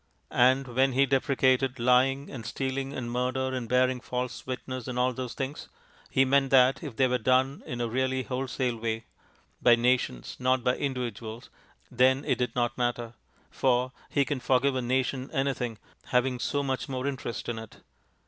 And when He deprecated lying and stealing and murder and bearing false witness, and all those things, He meant that if they were done in a really wholesale way by nations, not by individuals then it did not matter; for He can forgive a nation anything, having so much more interest in it.